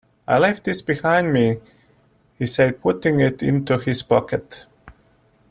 "I left this behind me," he said, putting it into his pocket.